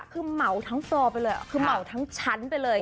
คือเหมาทั้งปอไปเลยคือเหมาทั้งชั้นไปเลย